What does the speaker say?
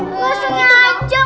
enggak sengaja enggak sengaja